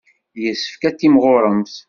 Yessefk ad timɣuremt.